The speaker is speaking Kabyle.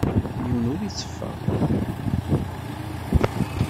Yiwen ur yetteffeɣ.